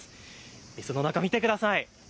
お店の中見てください。